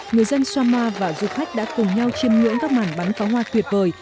người dân samoa và du khách đã cùng nhau chêm nhuyễn các mảng bắn cá hoa tuyệt vời